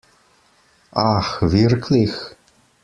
Ach, wirklich?